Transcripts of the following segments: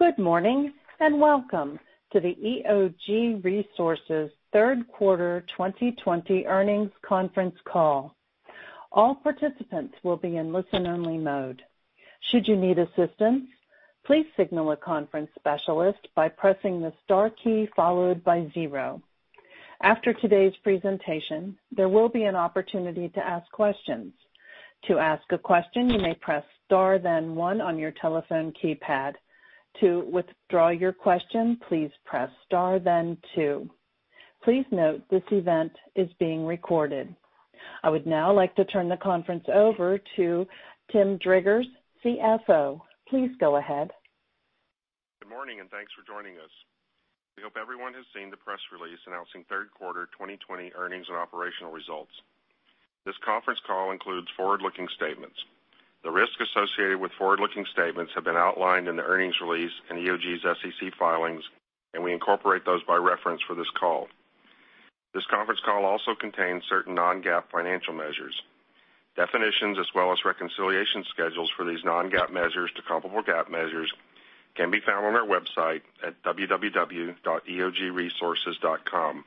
Good morning, welcome to the EOG Resources third quarter 2020 earnings conference call. All participants will be in listen-only mode. After today's presentation, there will be an opportunity to ask questions. Please note this event is being recorded. I would now like to turn the conference over to Tim Driggers, CFO. Please go ahead. Good morning, and thanks for joining us. We hope everyone has seen the press release announcing third quarter 2020 earnings and operational results. This conference call includes forward-looking statements. The risks associated with forward-looking statements have been outlined in the earnings release and EOG's SEC filings, and we incorporate those by reference for this call. This conference call also contains certain non-GAAP financial measures. Definitions as well as reconciliation schedules for these non-GAAP measures to comparable GAAP measures can be found on our website at www.eogresources.com.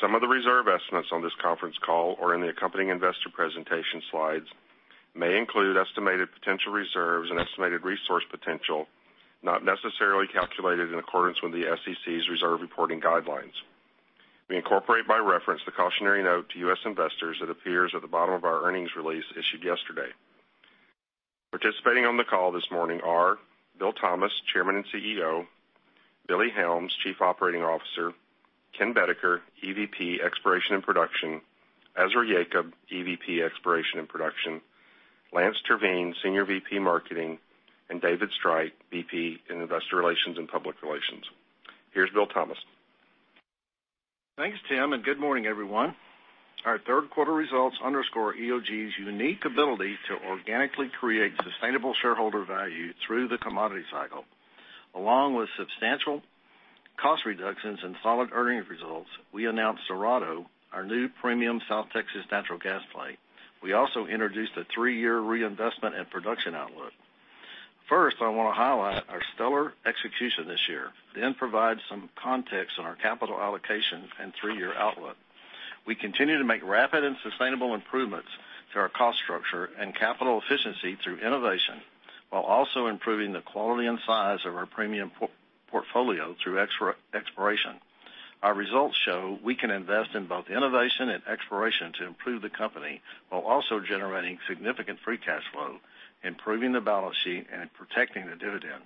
Some of the reserve estimates on this conference call or in the accompanying investor presentation slides may include estimated potential reserves and estimated resource potential, not necessarily calculated in accordance with the SEC's reserve reporting guidelines. We incorporate by reference the cautionary note to U.S. investors that appears at the bottom of our earnings release issued yesterday. Participating on the call this morning are Bill Thomas, Chairman and CEO; Billy Helms, Chief Operating Officer; Ken Boedeker, EVP, Exploration and Production; Ezra Yacob, EVP, Exploration and Production; Lance Terveen, Senior VP, Marketing; and David Streit, VP in Investor Relations and Public Relations. Here's Bill Thomas. Thanks, Tim, and good morning, everyone. Our third quarter results underscore EOG's unique ability to organically create sustainable shareholder value through the commodity cycle. Along with substantial cost reductions and solid earnings results, we announced Dorado, our new premium South Texas natural gas play. We also introduced a three year reinvestment and production outlook. First, I want to highlight our stellar execution this year, then provide some context on our capital allocation and three year outlook. We continue to make rapid and sustainable improvements to our cost structure and capital efficiency through innovation, while also improving the quality and size of our premium portfolio through exploration. Our results show we can invest in both innovation and exploration to improve the company while also generating significant free cash flow, improving the balance sheet and protecting the dividend.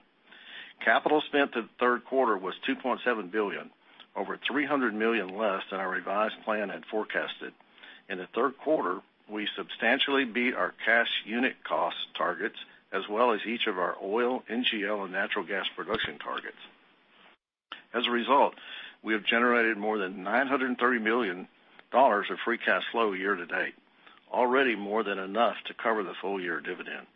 Capital spend of the third quarter was $2.7 billion, over $300 million less than our revised plan had forecasted. In the third quarter, we substantially beat our cash unit cost targets as well as each of our oil, NGL and natural gas production targets. As a result, we have generated more than $930 million of free cash flow year-to-date, already more than enough to cover the full year dividend.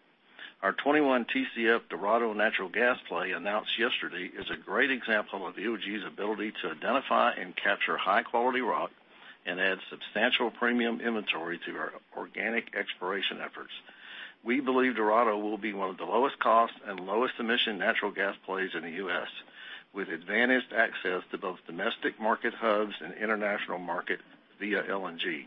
Our 21 Tcf Dorado natural gas play announced yesterday is a great example of EOG's ability to identify and capture high-quality rock and add substantial premium inventory to our organic exploration efforts. We believe Dorado will be one of the lowest cost and lowest emission natural gas plays in the U.S., with advantaged access to both domestic market hubs and international market via LNG.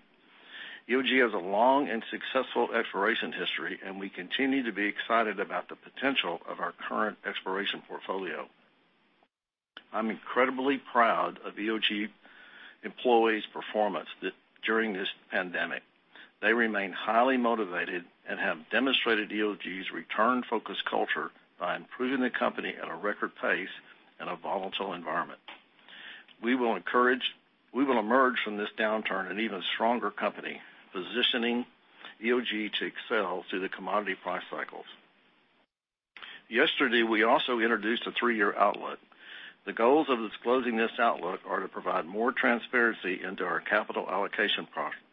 EOG has a long and successful exploration history. We continue to be excited about the potential of our current exploration portfolio. I'm incredibly proud of EOG employees' performance during this pandemic. They remain highly motivated and have demonstrated EOG's return-focused culture by improving the company at a record pace in a volatile environment. We will emerge from this downturn an even stronger company, positioning EOG to excel through the commodity price cycles. Yesterday, we also introduced a three year outlook. The goals of disclosing this outlook are to provide more transparency into our capital allocation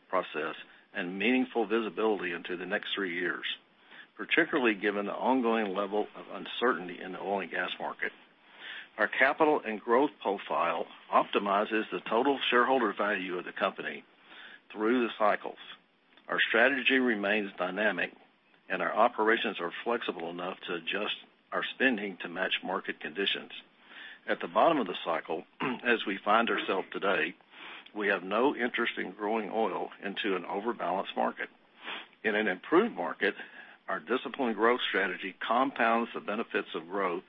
process and meaningful visibility into the next three years, particularly given the ongoing level of uncertainty in the oil and gas market. Our capital and growth profile optimizes the total shareholder value of the company through the cycles. Our strategy remains dynamic, and our operations are flexible enough to adjust our spending to match market conditions. At the bottom of the cycle, as we find ourselves today, we have no interest in growing oil into an overbalanced market. In an improved market, our disciplined growth strategy compounds the benefits of growth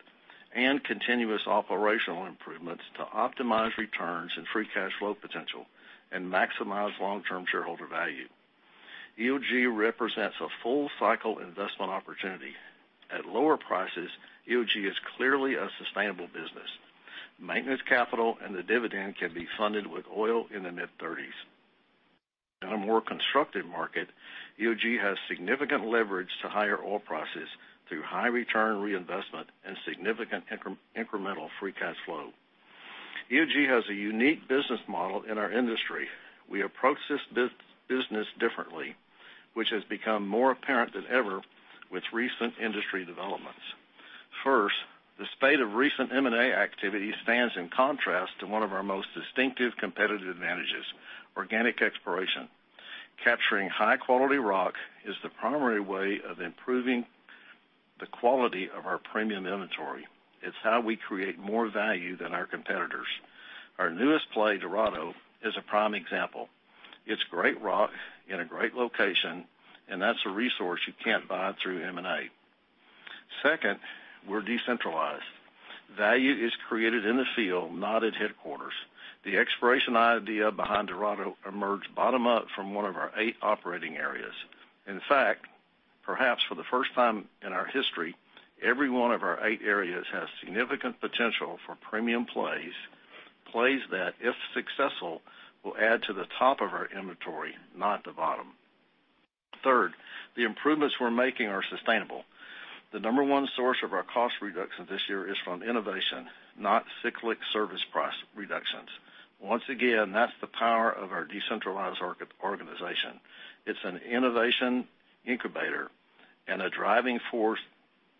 and continuous operational improvements to optimize returns and free cash flow potential and maximize long-term shareholder value. EOG represents a full-cycle investment opportunity. At lower prices, EOG is clearly a sustainable business. Maintenance capital and the dividend can be funded with oil in the $30s. In a more constructive market, EOG has significant leverage to higher oil prices through high return reinvestment and significant incremental free cash flow. EOG has a unique business model in our industry. We approach this business differently, which has become more apparent than ever with recent industry developments. First, the spate of recent M&A activity stands in contrast to one of our most distinctive competitive advantages, organic exploration. Capturing high-quality rock is the primary way of improving the quality of our premium inventory. It's how we create more value than our competitors. Our newest play, Dorado, is a prime example. It's great rock in a great location, and that's a resource you can't buy through M&A. Second, we're decentralized. Value is created in the field, not at headquarters. The exploration idea behind Dorado emerged bottom up from one of our eight operating areas. In fact, perhaps for the first time in our history, every one of our eight areas has significant potential for premium plays. Plays that, if successful, will add to the top of our inventory, not the bottom. Third, the improvements we're making are sustainable. The number one source of our cost reduction this year is from innovation, not cyclic service price reductions. Once again, that's the power of our decentralized organization. It's an innovation incubator and a driving force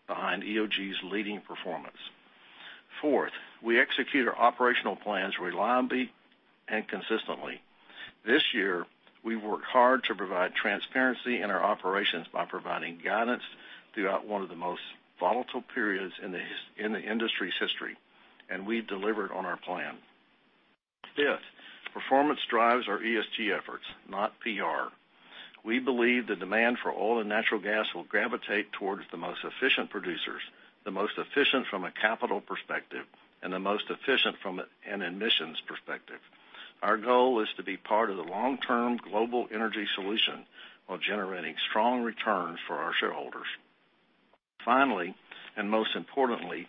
behind EOG's leading performance. Fourth, we execute our operational plans reliably and consistently. This year, we've worked hard to provide transparency in our operations by providing guidance throughout one of the most volatile periods in the industry's history, and we've delivered on our plan. Fifth, performance drives our ESG efforts, not PR. We believe the demand for oil and natural gas will gravitate towards the most efficient producers, the most efficient from a capital perspective, and the most efficient from an emissions perspective. Our goal is to be part of the long-term global energy solution while generating strong returns for our shareholders. Finally, and most importantly,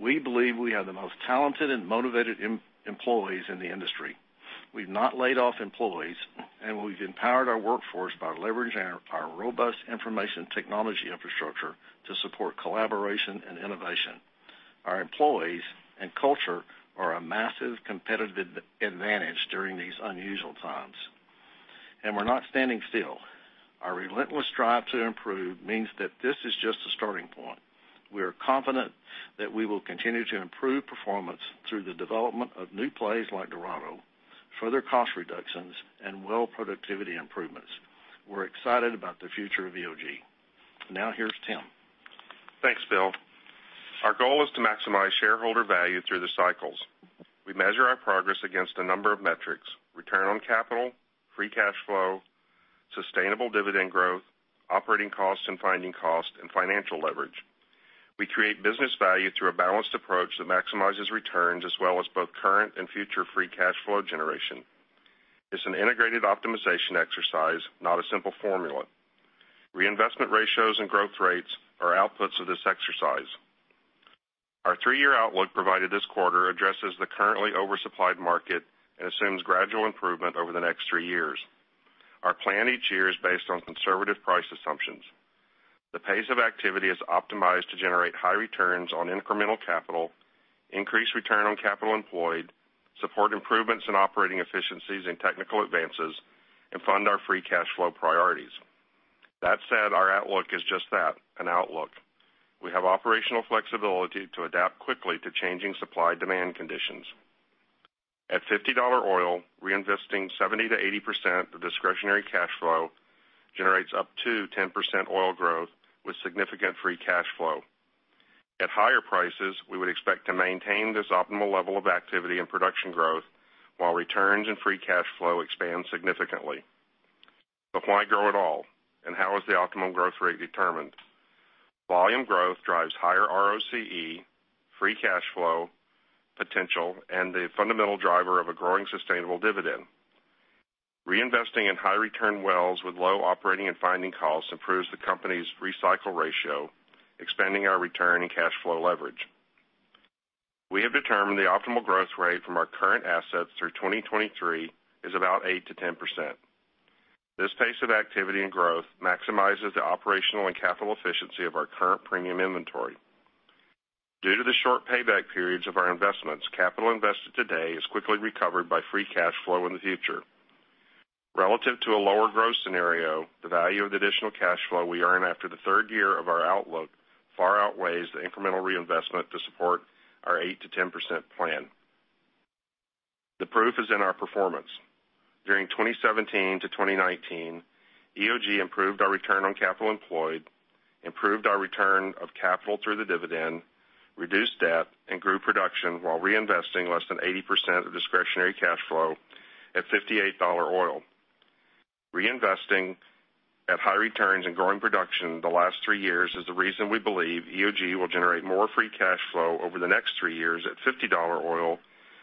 we believe we have the most talented and motivated employees in the industry. We've not laid off employees, and we've empowered our workforce by leveraging our robust information technology infrastructure to support collaboration and innovation. Our employees and culture are a massive competitive advantage during these unusual times. We're not standing still. Our relentless drive to improve means that this is just a starting point. We are confident that we will continue to improve performance through the development of new plays like Dorado, further cost reductions, and well productivity improvements. We're excited about the future of EOG. Now, here's Tim. Thanks, Bill. Our goal is to maximize shareholder value through the cycles. We measure our progress against a number of metrics: return on capital, free cash flow, sustainable dividend growth, operating costs and finding costs, and financial leverage. We create business value through a balanced approach that maximizes returns as well as both current and future free cash flow generation. It's an integrated optimization exercise, not a simple formula. Reinvestment ratios and growth rates are outputs of this exercise. Our three year outlook provided this quarter addresses the currently oversupplied market and assumes gradual improvement over the next three years. Our plan each year is based on conservative price assumptions. The pace of activity is optimized to generate high returns on incremental capital, increase return on capital employed, support improvements in operating efficiencies and technical advances, and fund our free cash flow priorities. That said, our outlook is just that, an outlook. We have operational flexibility to adapt quickly to changing supply-demand conditions. At $50 oil, reinvesting 70%-80% of discretionary cash flow generates up to 10% oil growth with significant free cash flow. At higher prices, we would expect to maintain this optimal level of activity and production growth while returns and free cash flow expand significantly. Why grow at all? How is the optimal growth rate determined? Volume growth drives higher ROCE, free cash flow potential, and the fundamental driver of a growing sustainable dividend. Reinvesting in high-return wells with low operating and finding costs improves the company's recycle ratio, expanding our return and cash flow leverage. We have determined the optimal growth rate from our current assets through 2023 is about 8%-10%. This pace of activity and growth maximizes the operational and capital efficiency of our current premium inventory. Due to the short payback periods of our investments, capital invested today is quickly recovered by free cash flow in the future. Relative to a lower growth scenario, the value of the additional cash flow we earn after the third year of our outlook far outweighs the incremental reinvestment to support our 8%-10% plan. The proof is in our performance. During 2017-2019, EOG improved our return on capital employed, improved our return of capital through the dividend, reduced debt, and grew production while reinvesting less than 80% of discretionary cash flow at $58 oil. Reinvesting at high returns and growing production the last three years is the reason we believe EOG will generate more free cash flow over the next three years at $50 oil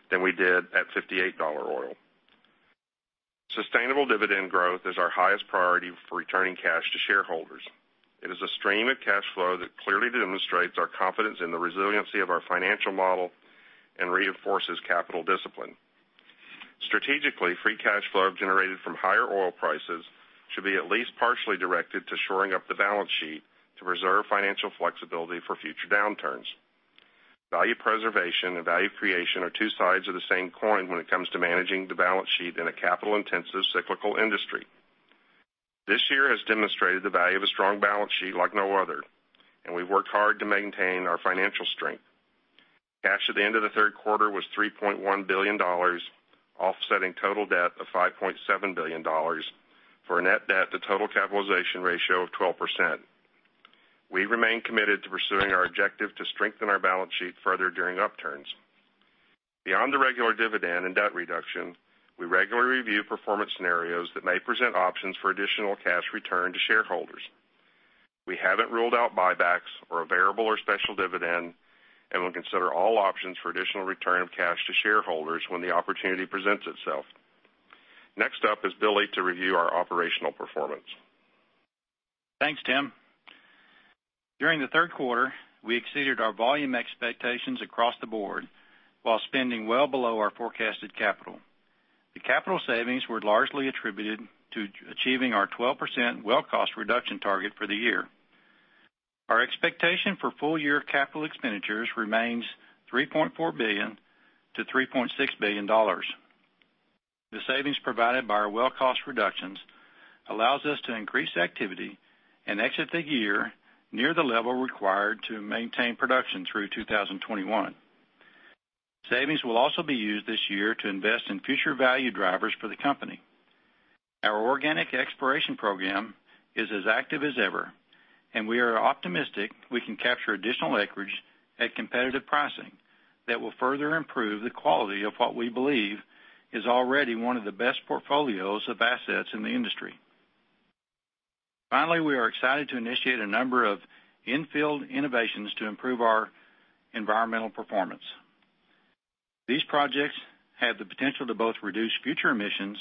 than we did at $58 oil. Sustainable dividend growth is our highest priority for returning cash to shareholders. It is a stream of cash flow that clearly demonstrates our confidence in the resiliency of our financial model and reinforces capital discipline. Strategically, free cash flow generated from higher oil prices should be at least partially directed to shoring up the balance sheet to reserve financial flexibility for future downturns. Value preservation and value creation are two sides of the same coin when it comes to managing the balance sheet in a capital-intensive cyclical industry. This year has demonstrated the value of a strong balance sheet like no other, and we've worked hard to maintain our financial strength. Cash at the end of the third quarter was $3.1 billion, offsetting total debt of $5.7 billion for a net debt to total capitalization ratio of 12%. We remain committed to pursuing our objective to strengthen our balance sheet further during upturns. Beyond the regular dividend and debt reduction, we regularly review performance scenarios that may present options for additional cash return to shareholders. We haven't ruled out buybacks or a variable or special dividend, and we'll consider all options for additional return of cash to shareholders when the opportunity presents itself. Next up is Billy to review our operational performance. Thanks, Tim. During the third quarter, we exceeded our volume expectations across the board while spending well below our forecasted capital. The capital savings were largely attributed to achieving our 12% well cost reduction target for the year. Our expectation for full year capital expenditures remains $3.4 billion-$3.6 billion. The savings provided by our well cost reductions allows us to increase activity and exit the year near the level required to maintain production through 2021. Savings will also be used this year to invest in future value drivers for the company. Our organic exploration program is as active as ever, and we are optimistic we can capture additional acreage at competitive pricing that will further improve the quality of what we believe is already one of the best portfolios of assets in the industry. Finally, we are excited to initiate a number of in-field innovations to improve our environmental performance. These projects have the potential to both reduce future emissions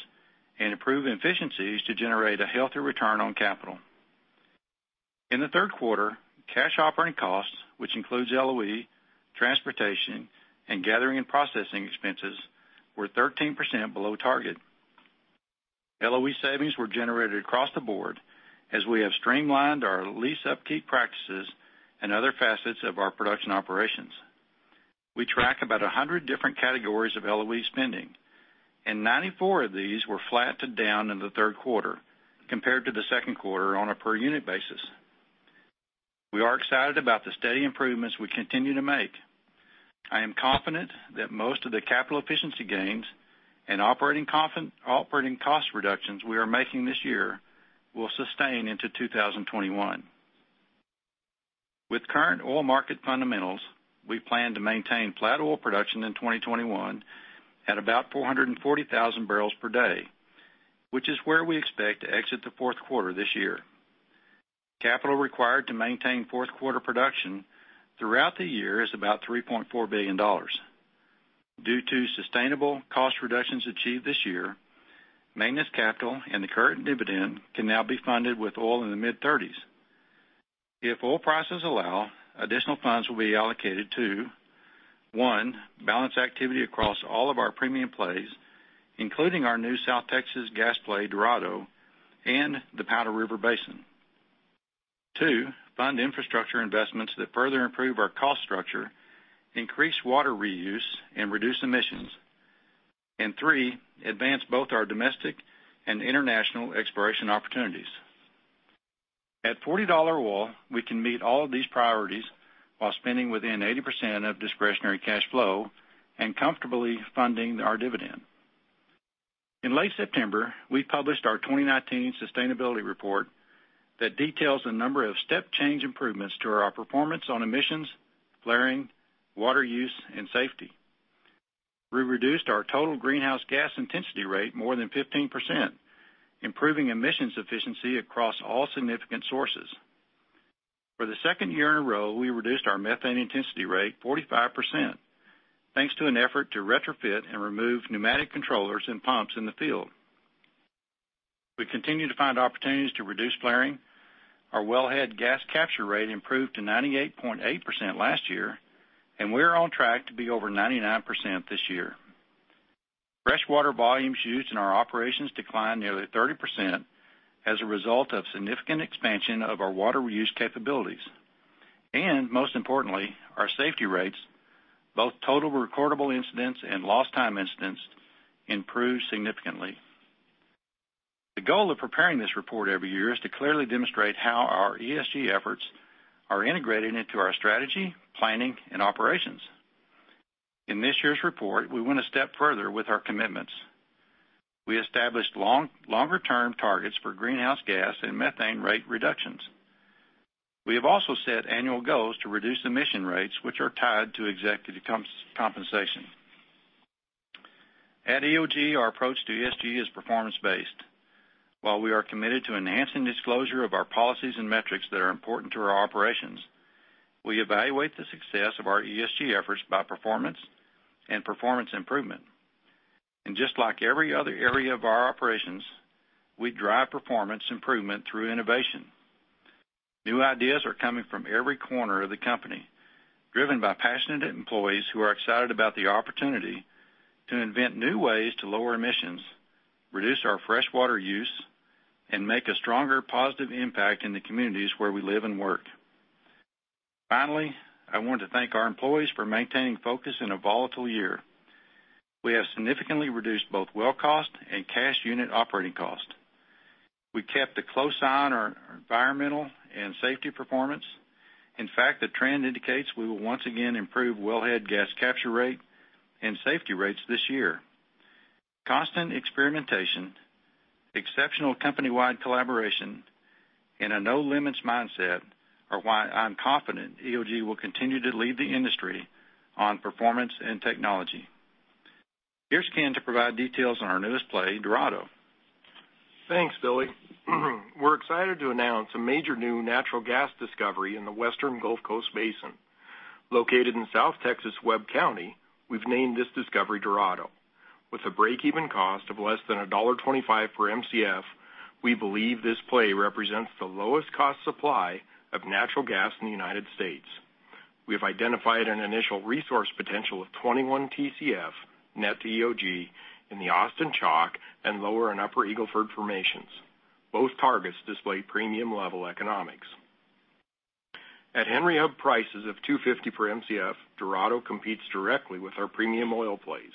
and improve efficiencies to generate a healthier return on capital. In the third quarter, cash operating costs, which includes LOE, transportation, and gathering and processing expenses, were 13% below target. LOE savings were generated across the board as we have streamlined our lease upkeep practices and other facets of our production operations. We track about 100 different categories of LOE spending, and 94 of these were flat to down in the third quarter compared to the second quarter on a per unit basis. We are excited about the steady improvements we continue to make. I am confident that most of the capital efficiency gains and operating cost reductions we are making this year will sustain into 2021. With current oil market fundamentals, we plan to maintain flat oil production in 2021 at about 440,000 bbl per day, which is where we expect to exit the fourth quarter this year. Capital required to maintain fourth quarter production throughout the year is about $3.4 billion. Due to sustainable cost reductions achieved this year, maintenance capital and the current dividend can now be funded with oil in the mid-$30s. If oil prices allow, additional funds will be allocated to, one, balance activity across all of our premium plays, including our new South Texas gas play, Dorado, and the Powder River Basin. Two, fund infrastructure investments that further improve our cost structure, increase water reuse, and reduce emissions. Three, advance both our domestic and international exploration opportunities. At $40 oil, we can meet all of these priorities while spending within 80% of discretionary cash flow and comfortably funding our dividend. In late September, we published our 2019 sustainability report that details a number of step change improvements to our performance on emissions, flaring, water use, and safety. We reduced our total greenhouse gas intensity rate more than 15%, improving emissions efficiency across all significant sources. For the second year in a row, we reduced our methane intensity rate 45%, thanks to an effort to retrofit and remove pneumatic controllers and pumps in the field. We continue to find opportunities to reduce flaring. Our wellhead gas capture rate improved to 98.8% last year, and we are on track to be over 99% this year. Fresh water volumes used in our operations declined nearly 30% as a result of significant expansion of our water reuse capabilities. Most importantly, our safety rates, both total recordable incidents and lost time incidents, improved significantly. The goal of preparing this report every year is to clearly demonstrate how our ESG efforts are integrated into our strategy, planning, and operations. In this year's report, we went a step further with our commitments. We established longer-term targets for greenhouse gas and methane rate reductions. We have also set annual goals to reduce emission rates, which are tied to executive compensation. At EOG, our approach to ESG is performance-based. While we are committed to enhancing disclosure of our policies and metrics that are important to our operations, we evaluate the success of our ESG efforts by performance and performance improvement. Just like every other area of our operations, we drive performance improvement through innovation. New ideas are coming from every corner of the company, driven by passionate employees who are excited about the opportunity to invent new ways to lower emissions, reduce our fresh water use, and make a stronger positive impact in the communities where we live and work. Finally, I want to thank our employees for maintaining focus in a volatile year. We have significantly reduced both well cost and cash unit operating cost. We kept a close eye on our environmental and safety performance. In fact, the trend indicates we will once again improve wellhead gas capture rate and safety rates this year. Constant experimentation, exceptional company-wide collaboration, and a no-limits mindset are why I'm confident EOG will continue to lead the industry on performance and technology. Here's Ken to provide details on our newest play, Dorado. Thanks, Billy. We're excited to announce a major new natural gas discovery in the Western Gulf Coast Basin. Located in South Texas' Webb County, we've named this discovery Dorado. With a break-even cost of less than $1.25 per Mcf, we believe this play represents the lowest cost supply of natural gas in the United States. We have identified an initial resource potential of 21 Tcf net to EOG in the Austin Chalk and Lower and Upper Eagle Ford formations. Both targets display premium-level economics. At Henry Hub prices of $2.50 per Mcf, Dorado competes directly with our premium oil plays.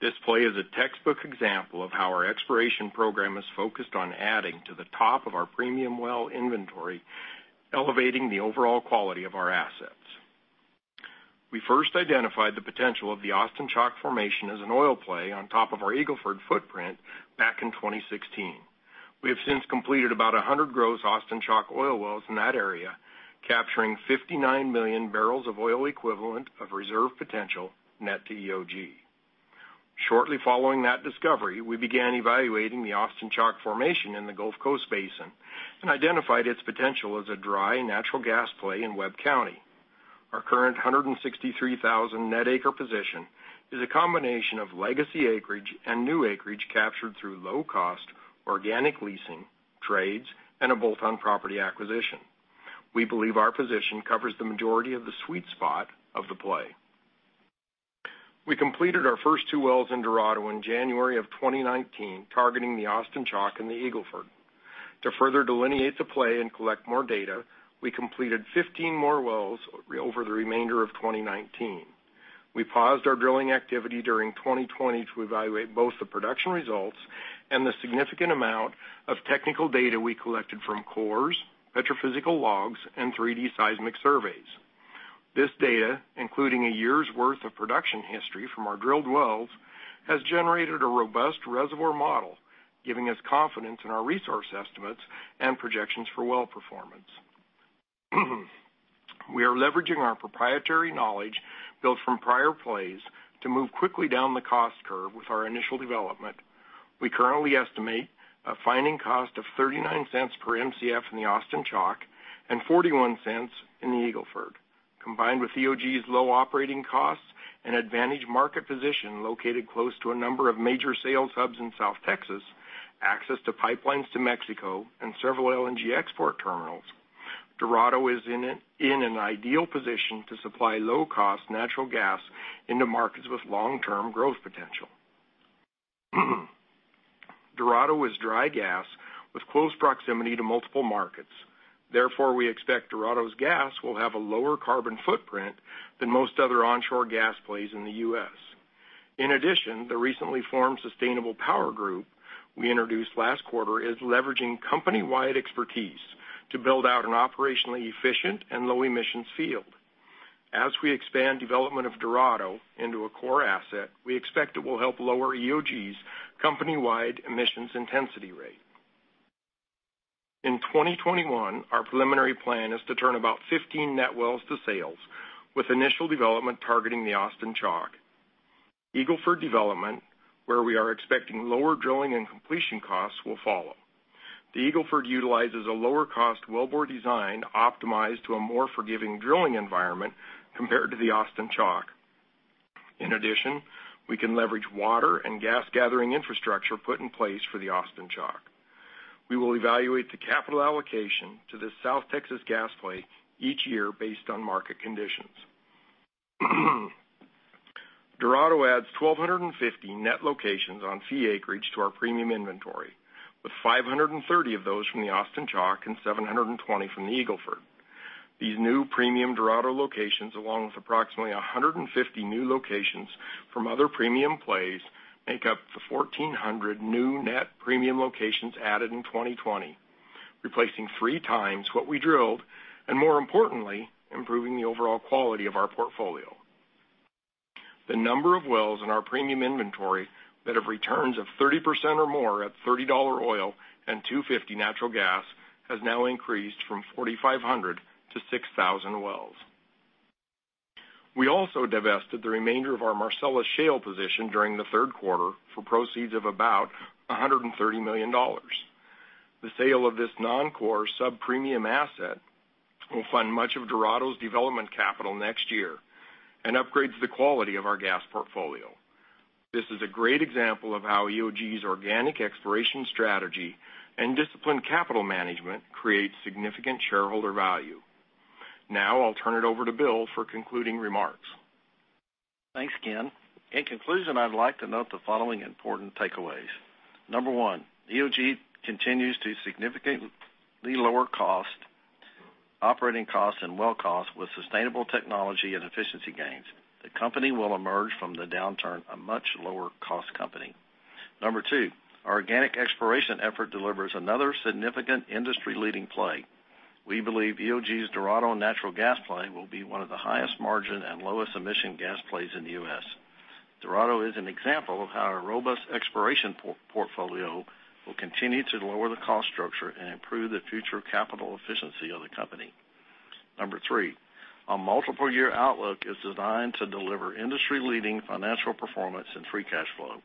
This play is a textbook example of how our exploration program is focused on adding to the top of our premium well inventory, elevating the overall quality of our assets. We first identified the potential of the Austin Chalk formation as an oil play on top of our Eagle Ford footprint back in 2016. We have since completed about 100 gross Austin Chalk oil wells in that area, capturing 59 million bbl of oil equivalent of reserve potential net to EOG. Shortly following that discovery, we began evaluating the Austin Chalk formation in the Gulf Coast Basin and identified its potential as a dry natural gas play in Webb County. Our current 163,000 net acre position is a combination of legacy acreage and new acreage captured through low cost organic leasing trades and a bolt-on property acquisition. We believe our position covers the majority of the sweet spot of the play. We completed our first two wells in Dorado in January of 2019, targeting the Austin Chalk and the Eagle Ford. To further delineate the play and collect more data, we completed 15 more wells over the remainder of 2019. We paused our drilling activity during 2020 to evaluate both the production results and the significant amount of technical data we collected from cores, petrophysical logs, and 3D seismic surveys. This data, including a year's worth of production history from our drilled wells, has generated a robust reservoir model, giving us confidence in our resource estimates and projections for well performance. We are leveraging our proprietary knowledge built from prior plays to move quickly down the cost curve with our initial development. We currently estimate a finding cost of $0.39 per Mcf in the Austin Chalk and $0.41 in the Eagle Ford. Combined with EOG's low operating costs and advantage market position located close to a number of major sales hubs in South Texas, access to pipelines to Mexico, and several LNG export terminals, Dorado is in an ideal position to supply low-cost natural gas into markets with long-term growth potential. Dorado is dry gas with close proximity to multiple markets. Therefore, we expect Dorado's gas will have a lower carbon footprint than most other onshore gas plays in the U.S. In addition, the recently formed Sustainable Power Group we introduced last quarter is leveraging company-wide expertise to build out an operationally efficient and low-emissions field. As we expand development of Dorado into a core asset, we expect it will help lower EOG's company-wide emissions intensity rate. In 2021, our preliminary plan is to turn about 15 net wells to sales, with initial development targeting the Austin Chalk. Eagle Ford development, where we are expecting lower drilling and completion costs, will follow. The Eagle Ford utilizes a lower cost wellbore design optimized to a more forgiving drilling environment compared to the Austin Chalk. In addition, we can leverage water and gas gathering infrastructure put in place for the Austin Chalk. We will evaluate the capital allocation to this South Texas gas play each year based on market conditions. Dorado adds 1,250 net locations on fee acreage to our premium inventory, with 530 of those from the Austin Chalk and 720 from the Eagle Ford. These new premium Dorado locations, along with approximately 150 new locations from other premium plays, make up the 1,400 new net premium locations added in 2020, replacing three times what we drilled, and more importantly, improving the overall quality of our portfolio. The number of wells in our premium inventory that have returns of 30% or more at $30 oil and $2.50 natural gas has now increased from 4,500 to 6,000 wells. We also divested the remainder of our Marcellus Shale position during the third quarter for proceeds of about $130 million. The sale of this non-core subpremium asset will fund much of Dorado's development capital next year and upgrades the quality of our gas portfolio. This is a great example of how EOG's organic exploration strategy and disciplined capital management creates significant shareholder value. I'll turn it over to Bill for concluding remarks. Thanks, Ken. In conclusion, I'd like to note the following important takeaways. Number one, EOG continues to significantly lower cost Operating costs and well costs with sustainable technology and efficiency gains. The company will emerge from the downturn a much lower cost company. Number two, our organic exploration effort delivers another significant industry-leading play. We believe EOG's Dorado natural gas play will be one of the highest margin and lowest emission gas plays in the U.S. Dorado is an example of how our robust exploration portfolio will continue to lower the cost structure and improve the future capital efficiency of the company. Number three, our multiple-year outlook is designed to deliver industry-leading financial performance and free cash flow.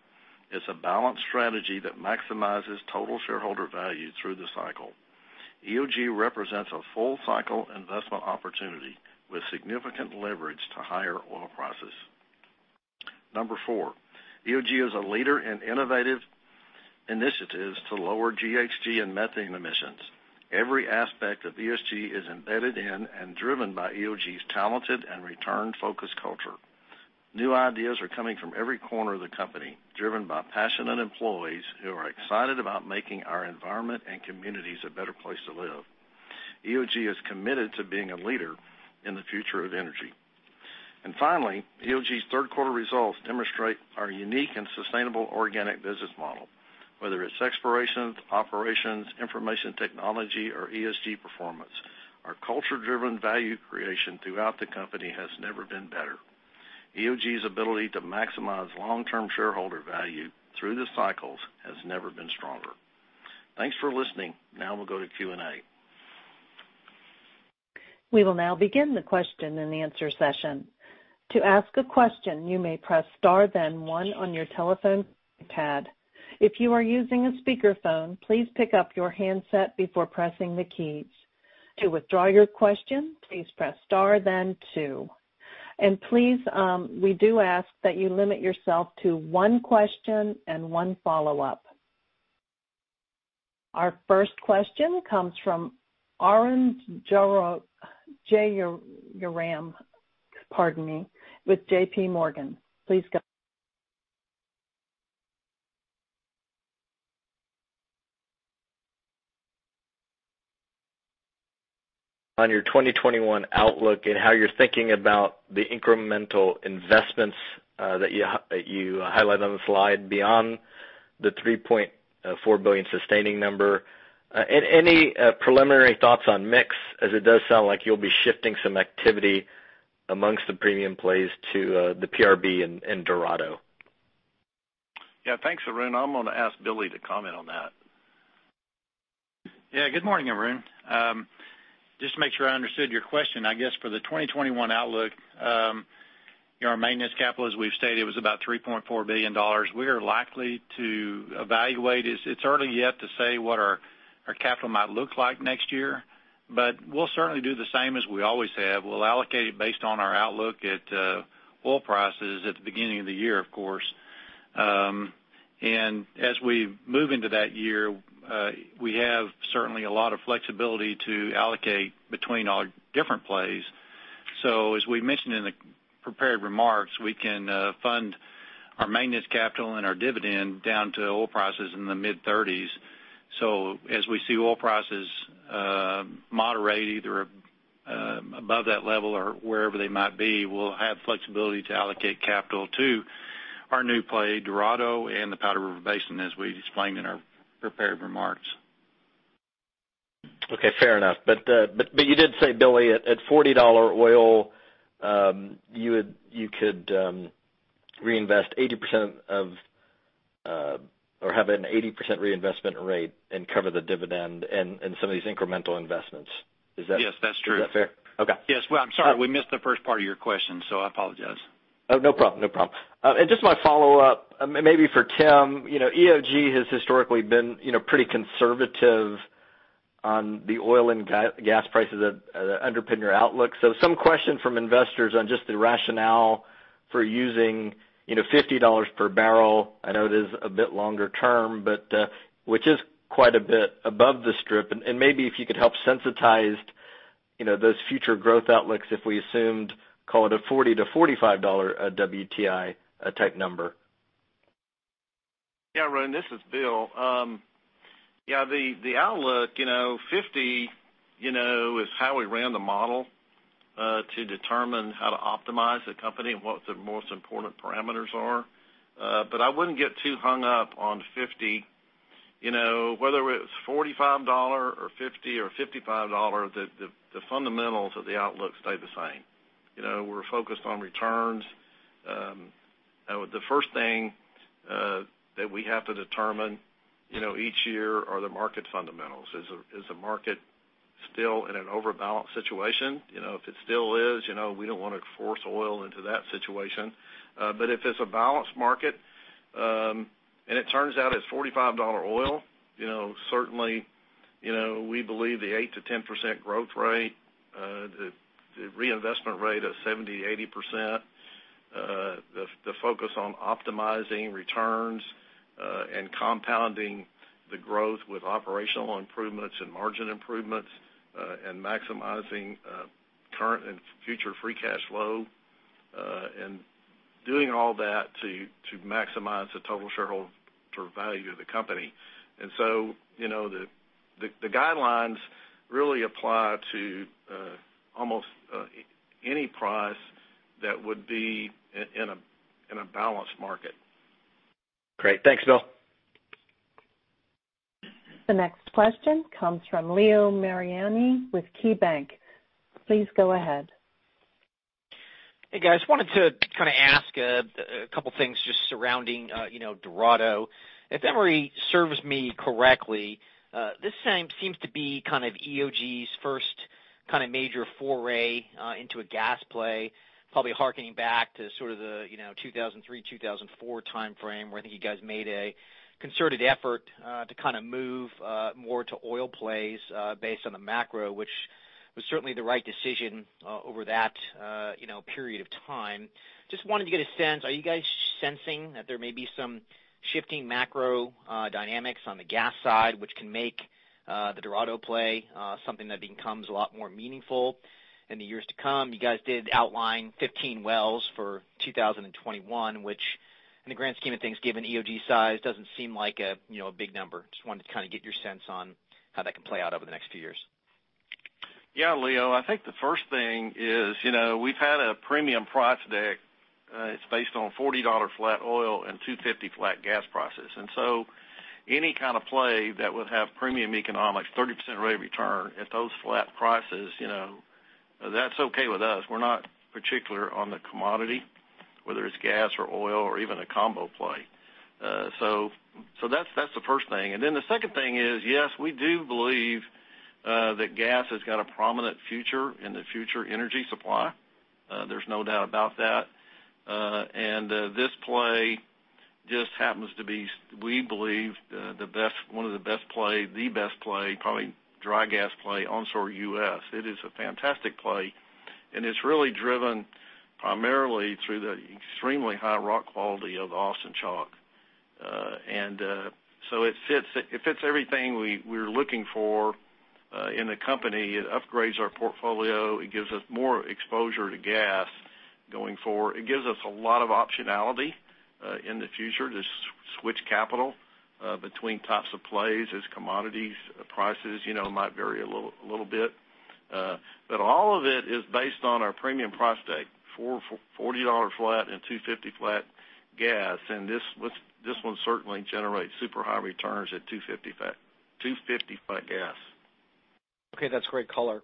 It's a balanced strategy that maximizes total shareholder value through the cycle. EOG represents a full-cycle investment opportunity with significant leverage to higher oil prices. Number four, EOG is a leader in innovative initiatives to lower GHG and methane emissions. Every aspect of ESG is embedded in and driven by EOG's talented and return-focused culture. New ideas are coming from every corner of the company, driven by passionate employees who are excited about making our environment and communities a better place to live. EOG is committed to being a leader in the future of energy. Finally, EOG's third quarter results demonstrate our unique and sustainable organic business model. Whether it's exploration, operations, information technology, or ESG performance, our culture-driven value creation throughout the company has never been better. EOG's ability to maximize long-term shareholder value through the cycles has never been stronger. Thanks for listening. Now we'll go to Q&A. We will now begin the question and answer session. To ask a question, you may press star then one on your telephone pad. If you are using a speakerphone, please pick up your handset before pressing the keys. To withdraw your question, please press star then two. Please, we do ask that you limit yourself to one question and one follow-up. Our first question comes from Arun Jayaram, pardon me, with JPMorgan. Please go. On your 2021 outlook and how you're thinking about the incremental investments that you highlight on the slide beyond the $3.4 billion sustaining number. Any preliminary thoughts on mix, as it does sound like you'll be shifting some activity amongst the premium plays to the PRB and Dorado? Yeah, thanks, Arun. I'm gonna ask Billy to comment on that. Yeah, good morning, Arun. Just to make sure I understood your question, I guess for the 2021 outlook, our maintenance capital, as we've stated, was about $3.4 billion. We are likely to evaluate. It's early yet to say what our capital might look like next year, but we'll certainly do the same as we always have. We'll allocate it based on our outlook at oil prices at the beginning of the year, of course. As we move into that year, we have certainly a lot of flexibility to allocate between all different plays. As we mentioned in the prepared remarks, we can fund our maintenance capital and our dividend down to oil prices in the mid-30s. As we see oil prices moderate either above that level or wherever they might be, we'll have flexibility to allocate capital to our new play, Dorado and the Powder River Basin, as we explained in our prepared remarks. Okay, fair enough. You did say, Billy, at $40 oil, you could have an 80% reinvestment rate and cover the dividend and some of these incremental investments. Is that correct? Yes, that's true. Is that fair? Okay. Yes. Well, I'm sorry, we missed the first part of your question. I apologize. Oh, no problem. Just my follow-up, maybe for Tim. EOG has historically been pretty conservative on the oil and gas prices that underpin your outlook. Some question from investors on just the rationale for using $50 per bbl. I know it is a bit longer term, but which is quite a bit above the strip. Maybe if you could help sensitize those future growth outlooks, if we assumed, call it a $40-$45 WTI type number. Yeah, Arun, this is Bill. Yeah, the outlook, you know, $50 is how we ran the model to determine how to optimize the company and what the most important parameters are. I wouldn't get too hung up on $50. Whether it's $45 or $50 or $55, the fundamentals of the outlook stay the same. We're focused on returns. The first thing that we have to determine each year are the market fundamentals. Is the market still in an overbalance situation? If it still is, we don't want to force oil into that situation. If it's a balanced market, and it turns out it's $45 oil, certainly, we believe the 8%-10% growth rate, the reinvestment rate of 70%-80%, the focus on optimizing returns, and compounding the growth with operational improvements and margin improvements, and maximizing current and future free cash flow, and doing all that to maximize the total shareholder value of the company. The guidelines really apply to almost any price that would be in a balanced market. Great. Thanks, Bill. The next question comes from Leo Mariani with KeyBanc. Please go ahead. Hey, guys. Wanted to ask a couple things just surrounding Dorado. If memory serves me correctly, this seems to be EOG's first major foray into a gas play, probably harkening back to sort of the 2003, 2004 timeframe, where I think you guys made a concerted effort to move more to oil plays based on the macro, which was certainly the right decision over that period of time. Just wanted to get a sense, are you guys sensing that there may be some shifting macro dynamics on the gas side which can make the Dorado play something that becomes a lot more meaningful in the years to come? You guys did outline 15 wells for 2021, which in the grand scheme of things, given EOG size, doesn't seem like a big number. Just wanted to get your sense on how that can play out over the next few years. Yeah, Leo, I think the first thing is, we've had a premium price deck. It's based on $40 flat oil and $2.50 flat gas prices. Any kind of play that would have premium economics, 30% rate of return at those flat prices, that's okay with us. We're not particular on the commodity, whether it's gas or oil or even a combo play. That's the first thing. The second thing is, yes, we do believe that gas has got a prominent future in the future energy supply. There's no doubt about that. This play just happens to be, we believe, the best play, probably dry gas play onshore U.S. It is a fantastic play, and it's really driven primarily through the extremely high rock quality of Austin Chalk. It fits everything we're looking for in the company. It upgrades our portfolio. It gives us more exposure to gas going forward. It gives us a lot of optionality in the future to switch capital between types of plays as commodities prices might vary a little bit. All of it is based on our premium price tag, $40 flat and $2.50 flat gas, and this one certainly generates super high returns at $2.50 flat gas. Okay. That's great color.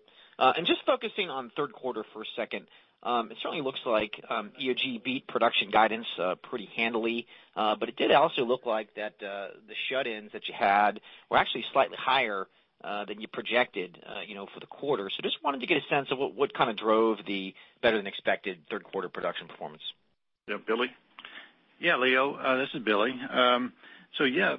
Just focusing on third quarter for a second, it certainly looks like EOG beat production guidance pretty handily. It did also look like that the shut-ins that you had were actually slightly higher than you projected for the quarter. Just wanted to get a sense of what drove the better than expected third quarter production performance. Yeah, Billy? Yeah, Leo, this is Billy. Yeah,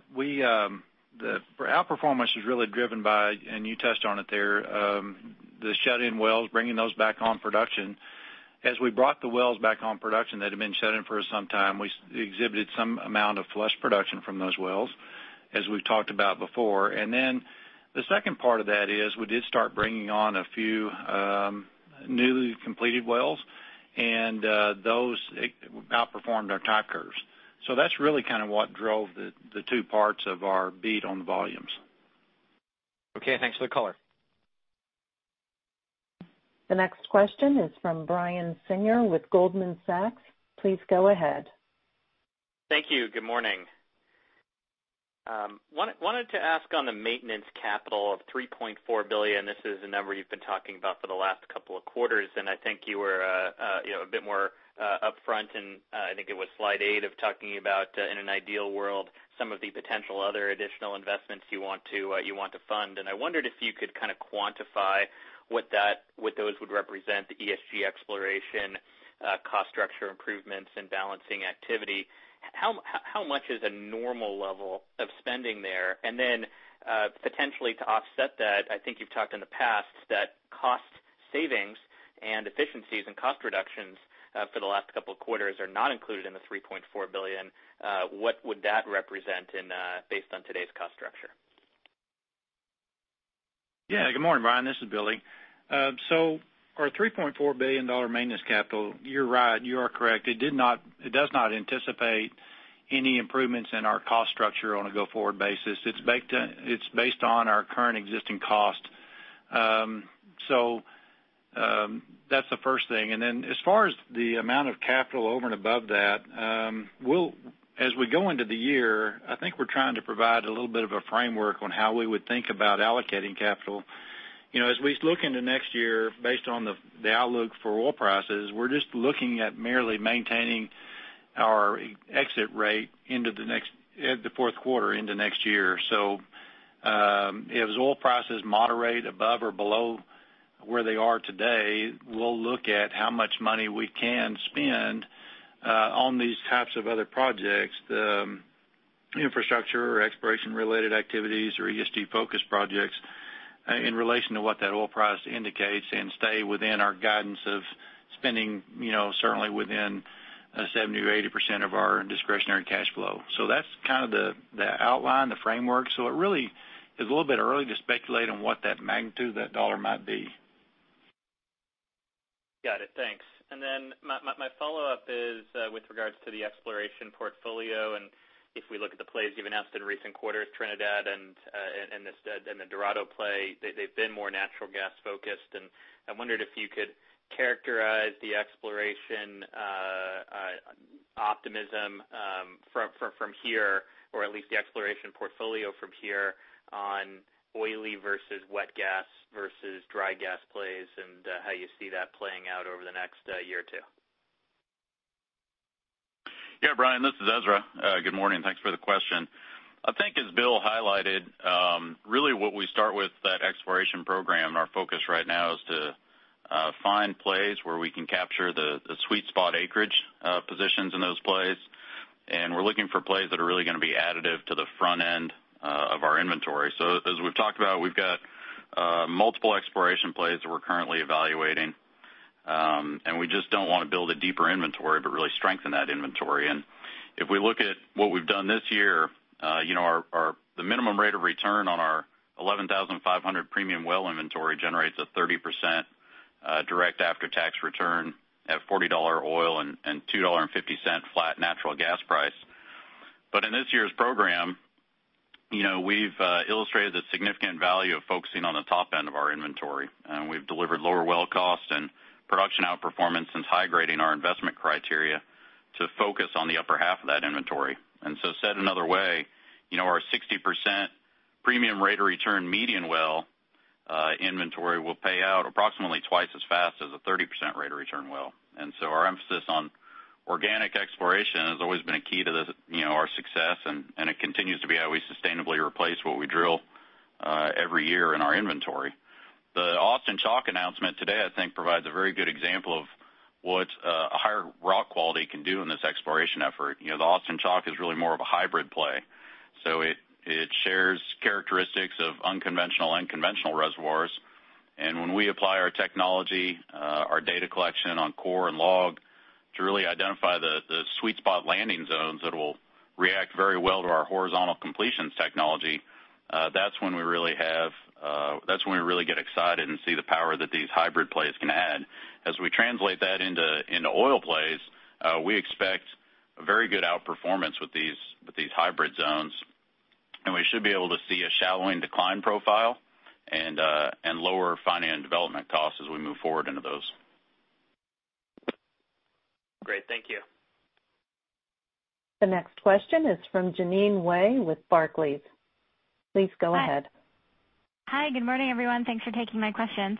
our performance was really driven by, and you touched on it there, the shut-in wells, bringing those back on production. As we brought the wells back on production that had been shut in for some time, we exhibited some amount of flush production from those wells, as we've talked about before. The second part of that is we did start bringing on a few newly completed wells, and those outperformed our type curves. That's really what drove the two parts of our beat on the volumes. Okay. Thanks for the color. The next question is from Brian Singer with Goldman Sachs. Please go ahead. Thank you. Good morning. Wanted to ask on the maintenance capital of $3.4 billion. This is a number you've been talking about for the last couple of quarters, I think you were a bit more upfront in, I think it was slide eight, of talking about, in an ideal world, some of the potential other additional investments you want to fund. I wondered if you could kind of quantify what those would represent, the ESG exploration, cost structure improvements, and balancing activity. How much is a normal level of spending there? Then, potentially to offset that, I think you've talked in the past that cost savings and efficiencies and cost reductions for the last couple of quarters are not included in the $3.4 billion. What would that represent based on today's cost structure? Yeah. Good morning, Brian. This is Billy. Our $3.4 billion maintenance capital, you're right. You are correct. It does not anticipate any improvements in our cost structure on a go-forward basis. It's based on our current existing cost. That's the first thing. As far as the amount of capital over and above that, as we go into the year, I think we're trying to provide a little bit of a framework on how we would think about allocating capital. As we look into next year, based on the outlook for oil prices, we're just looking at merely maintaining our exit rate the fourth quarter into next year. As oil prices moderate above or below where they are today, we'll look at how much money we can spend on these types of other projects, the infrastructure or exploration-related activities or ESG-focused projects in relation to what that oil price indicates and stay within our guidance of spending certainly within 70%-80% of our discretionary cash flow. That's kind of the outline, the framework. It really is a little bit early to speculate on what that magnitude, that dollar might be. Got it. Thanks. My follow-up is with regards to the exploration portfolio, if we look at the plays you've announced in recent quarters, Trinidad and the Dorado play, they've been more natural gas focused. I wondered if you could characterize the exploration optimism from here, or at least the exploration portfolio from here on oily versus wet gas versus dry gas plays and how you see that playing out over the next year or two. Brian, this is Ezra. Good morning. Thanks for the question. I think as Bill highlighted, really what we start with that exploration program, our focus right now is to find plays where we can capture the sweet spot acreage positions in those plays. We're looking for plays that are really going to be additive to the front end of our inventory. As we've talked about, we've got multiple exploration plays that we're currently evaluating. We just don't want to build a deeper inventory, but really strengthen that inventory. If we look at what we've done this year, the minimum rate of return on our 11,500 premium well inventory generates a 30% direct after-tax return at $40 oil and $2.50 flat natural gas price. In this year's program, we've illustrated the significant value of focusing on the top end of our inventory. We've delivered lower well costs and production outperformance since high-grading our investment criteria to focus on the upper half of that inventory. Said another way, our 60% premium rate of return median well inventory will pay out approximately twice as fast as a 30% rate of return well. Our emphasis on organic exploration has always been a key to our success, and it continues to be how we sustainably replace what we drill every year in our inventory. The Austin Chalk announcement today, I think, provides a very good example of what a higher rock quality can do in this exploration effort. The Austin Chalk is really more of a hybrid play. It shares characteristics of unconventional and conventional reservoirs. When we apply our technology, our data collection on core and log to really identify the sweet spot landing zones that will react very well to our horizontal completions technology, that's when we really get excited and see the power that these hybrid plays can add. As we translate that into oil plays, we expect very good outperformance with these hybrid zones. We should be able to see a shallowing decline profile and lower finding and development costs as we move forward into those. Great. Thank you. The next question is from Jeanine Wai with Barclays. Please go ahead. Hi. Good morning, everyone. Thanks for taking my questions.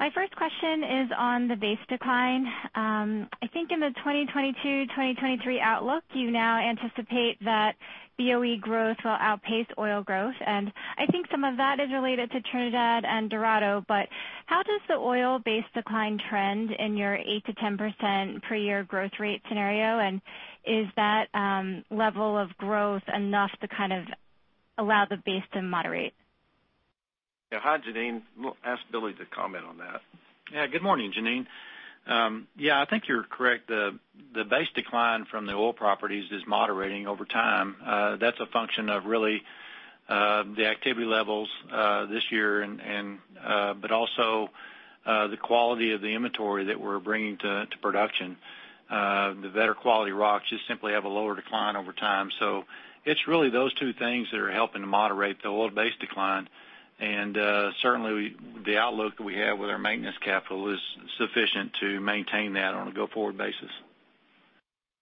My first question is on the base decline. I think in the 2022-2023 outlook, you now anticipate that BOE growth will outpace oil growth, and I think some of that is related to Trinidad and Dorado, but how does the oil base decline trend in your 8%-10% per year growth rate scenario? Is that level of growth enough to kind of allow the base to moderate? Yeah. Hi, Jeanine. I'm going to ask Billy to comment on that. Good morning, Jeanine. I think you're correct. The base decline from the oil properties is moderating over time. That's a function of really the activity levels this year, but also the quality of the inventory that we're bringing to production. The better quality rocks just simply have a lower decline over time. It's really those two things that are helping to moderate the oil base decline. Certainly, the outlook that we have with our maintenance capital is sufficient to maintain that on a go-forward basis.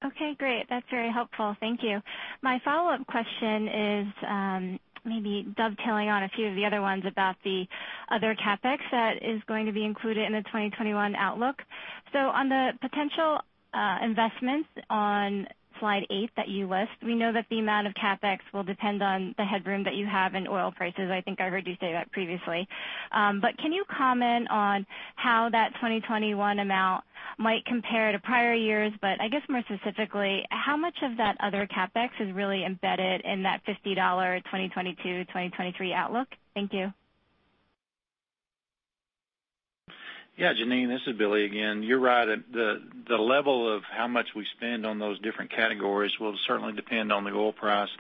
Okay, great. That's very helpful. Thank you. My follow-up question is maybe dovetailing on a few of the other ones about the other CapEx that is going to be included in the 2021 outlook. On the potential investments on slide eight that you list, we know that the amount of CapEx will depend on the headroom that you have in oil prices. I think I heard you say that previously. Can you comment on how that 2021 amount might compare to prior years, but I guess more specifically, how much of that other CapEx is really embedded in that $50 2022-2023 outlook? Thank you. Yeah, Jeanine, this is Billy again. You're right. The level of how much we spend on those different categories will certainly depend on the oil price.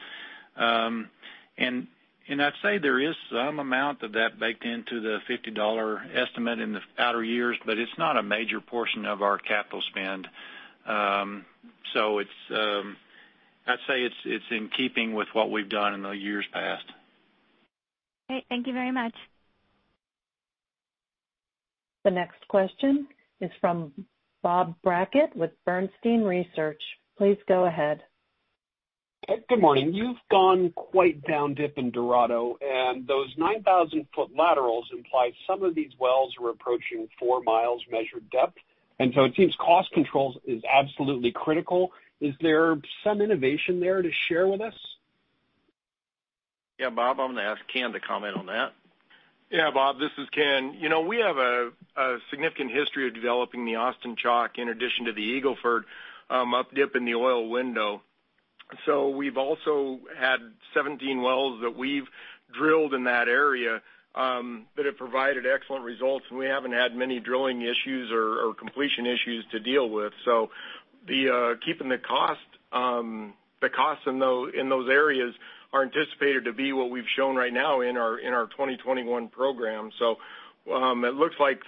I'd say there is some amount of that baked into the $50 estimate in the outer years, but it's not a major portion of our capital spend. I'd say it's in keeping with what we've done in the years past. Okay. Thank you very much. The next question is from Bob Brackett with Bernstein Research. Please go ahead. Good morning. You've gone quite down dip in Dorado, and those 9,000-foot laterals imply some of these wells are approaching four miles measured depth, and so it seems cost controls is absolutely critical. Is there some innovation there to share with us? Yeah, Bob, I'm going to ask Ken to comment on that. Yeah, Bob, this is Ken. We have a significant history of developing the Austin Chalk in addition to the Eagle Ford up dip in the oil window. We've also had 17 wells that we've drilled in that area, that have provided excellent results, and we haven't had many drilling issues or completion issues to deal with. Keeping the costs in those areas are anticipated to be what we've shown right now in our 2021 program. It looks like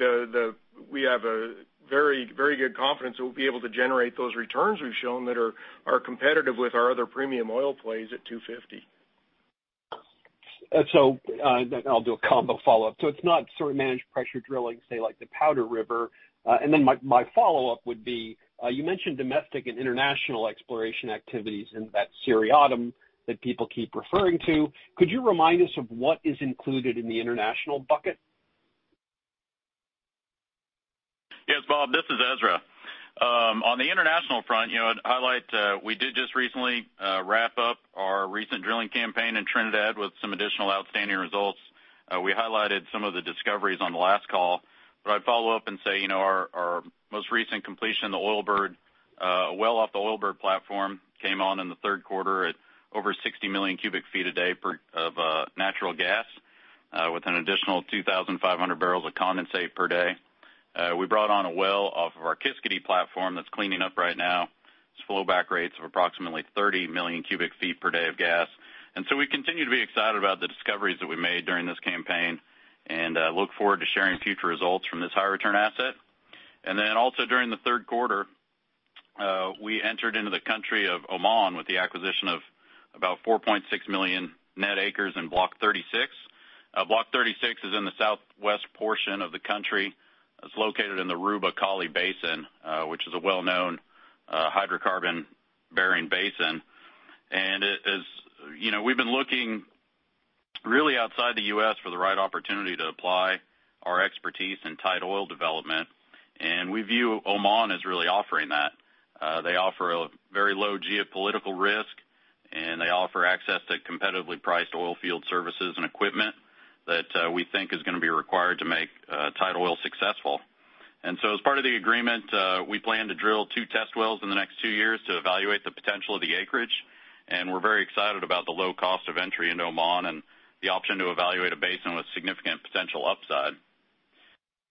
we have a very good confidence that we'll be able to generate those returns we've shown that are competitive with our other premium oil plays at $2.50. I'll do a combo follow-up. It's not sort of managed pressure drilling, say like the Powder River. My follow-up would be, you mentioned domestic and international exploration activities in that series item that people keep referring to. Could you remind us of what is included in the international bucket? Yes, Bob, this is Ezra. On the international front, to highlight, we did just recently wrap up our recent drilling campaign in Trinidad with some additional outstanding results. We highlighted some of the discoveries on the last call. I'd follow up and say, our most recent completion, the Oilbird, well off the Oilbird platform, came on in the third quarter at over 60 million cu ft a day of natural gas, with an additional 2,500 bbl of condensate per day. We brought on a well off of our Kiskadee platform that's cleaning up right now. Its flowback rate's approximately 30 million cu ft per day of gas. We continue to be excited about the discoveries that we made during this campaign, and look forward to sharing future results from this high return asset. Then also during the third quarter, we entered into the country of Oman with the acquisition of about 4.6 million net acres in Block 36. Block 36 is in the southwest portion of the country. It's located in the Rub' al Khali basin, which is a well-known hydrocarbon-bearing basin. We've been looking really outside the U.S. for the right opportunity to apply our expertise in tight oil development, and we view Oman as really offering that. They offer a very low geopolitical risk, and they offer access to competitively priced oil field services and equipment that we think is going to be required to make tight oil successful. As part of the agreement, we plan to drill two test wells in the next two years to evaluate the potential of the acreage. We're very excited about the low cost of entry into Oman and the option to evaluate a basin with significant potential upside.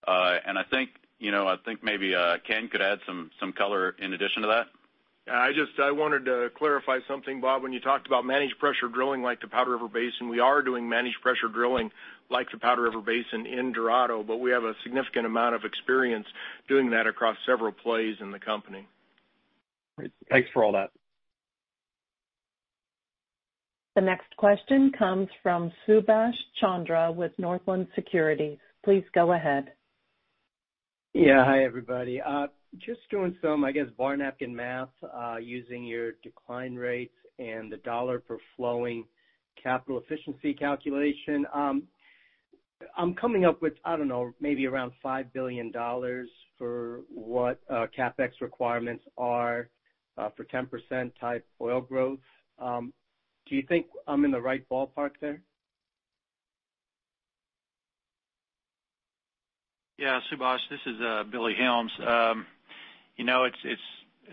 I think maybe Ken could add some color in addition to that. I wanted to clarify something, Bob, when you talked about managed pressure drilling, like the Powder River Basin. We are doing managed pressure drilling, like the Powder River Basin in Dorado, but we have a significant amount of experience doing that across several plays in the company. Great. Thanks for all that. The next question comes from Subash Chandra with Northland Securities. Please go ahead. Yeah. Hi, everybody. Just doing some, I guess, bar napkin math, using your decline rates and the dollar per flowing capital efficiency calculation. I'm coming up with, I don't know, maybe around $5 billion for what CapEx requirements are for 10% type oil growth. Do you think I'm in the right ballpark there? Subash, this is Billy Helms. It's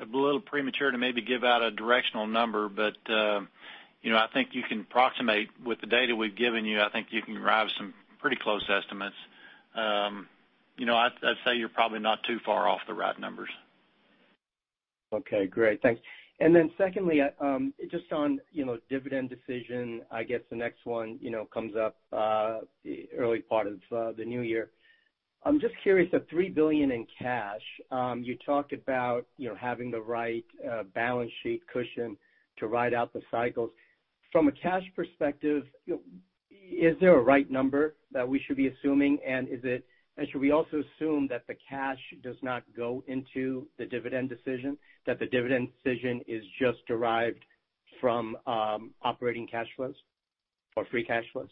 a little premature to maybe give out a directional number, but I think you can approximate with the data we've given you. I think you can derive some pretty close estimates. I'd say you're probably not too far off the right numbers. Okay, great. Thanks. Secondly, just on dividend decision, I guess the next one comes up the early part of the new year. I'm just curious of $3 billion in cash. You talked about having the right balance sheet cushion to ride out the cycles. From a cash perspective, is there a right number that we should be assuming? Should we also assume that the cash does not go into the dividend decision, that the dividend decision is just derived from operating cash flows or free cash flows?